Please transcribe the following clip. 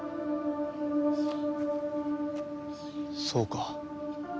そうか。